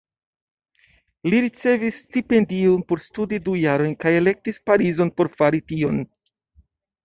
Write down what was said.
Li ricevis stipendion por studi du jarojn kaj elektis Parizon por fari tion.